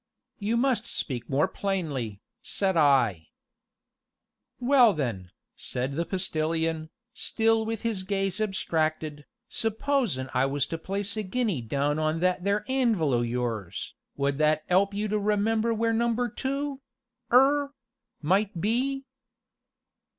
"You must speak more plainly," said I. "Well then," said the Postilion, still with his gaze abstracted, "supposin' I was to place a guinea down on that there anvil o' yours would that 'elp you to remember where Number Two 'er might be?"